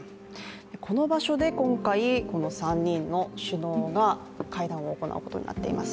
この場所で今回、この３人の首脳が会談を行うことになっております。